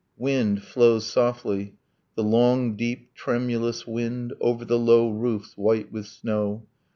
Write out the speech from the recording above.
... Wind flows softly, the long deep tremulous wind, Over the low roofs white with snow